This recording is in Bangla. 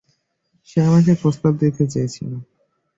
সে আমাকে প্রস্তাব দিতে চেয়েছিল!